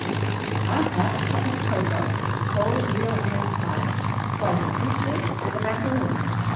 " I'll have a cup of cocoa, cold veal and ham pie, slice of fruit cake, and a macaroon.